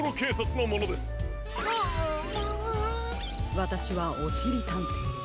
わたしはおしりたんていです。